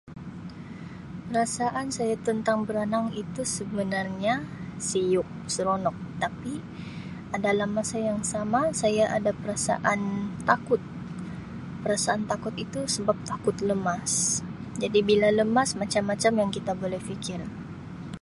Perasaan saya tentang beranang itu sebenarnya siuk, seronok tapi dalam masa yang sama saya ada perasaan takut, perasaan takut itu sebab takut lemas jadi bila lemas macam-macam yang kita boleh fikir.